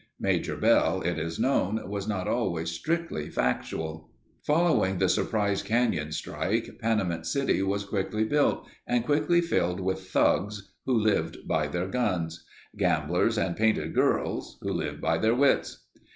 Major Bell, it is known, was not always strictly factual. Following the Surprise Canyon strike, Panamint City was quickly built and quickly filled with thugs who lived by their guns; gamblers and painted girls who lived by their wits.